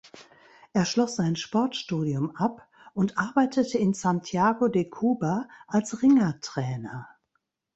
Er schloss sein Sportstudium ab und arbeitete in Santiago de Cuba als Ringertrainer.